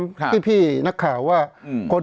เพราะฉะนั้นประชาธิปไตยเนี่ยคือการยอมรับความเห็นที่แตกต่าง